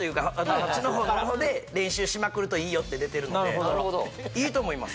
そっちの方で練習しまくるといいよって出てるのでいいと思います